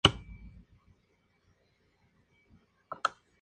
Debido a la presencia de especies protegidas, la escalada ha sido restringida.